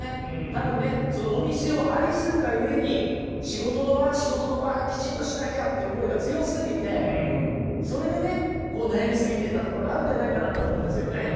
多分ねそのお店を愛するがゆえに仕事の場は仕事の場できちんとしなきゃって思いが強すぎてそれでね悩みすぎていたところがあるんじゃないかなと思うんですよね。